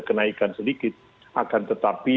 kenaikan sedikit akan tetapi